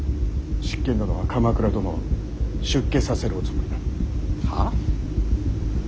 執権殿は鎌倉殿を出家させるおつもりだ。はあ？